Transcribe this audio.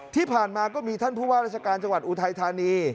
ที่ผ่านมาก็มีท่านผู้ว่าราชการจังหวัดอุทัยธานี